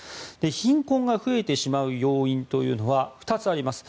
貧困が増えてしまう要因というのは２つあります。